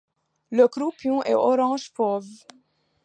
Le croupion est orange fauve.